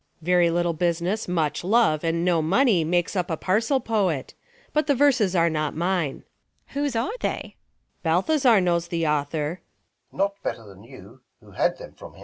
Very little business, much love, And no money makes up a parcel poet. But the verses are not mine. Beat. Whose are they 1 Luc. Balthazar knows the author.